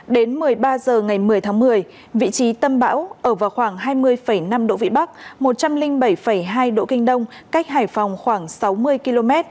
đến một mươi ba h ngày một mươi tháng một mươi vị trí tâm bão ở vào khoảng hai mươi năm độ vĩ bắc một trăm linh bảy hai độ kinh đông cách hải phòng khoảng sáu mươi km